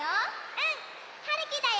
うん！はるきだよ！